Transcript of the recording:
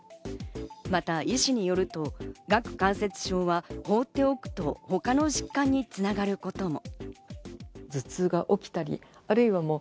また医師によると、顎関節症はほうっておくと他の疾患に繋がることも。